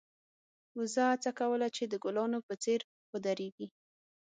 وزه هڅه کوله چې د ګلانو په څېر ودرېږي.